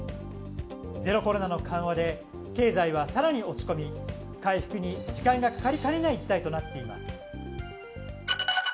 ゼロコロナの緩和で経済は更に落ち込み回復に時間がかかりかねない事態となっています。